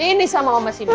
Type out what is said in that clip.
ini sama om mas ibu